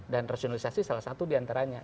dan rasionalisasi salah satu di antaranya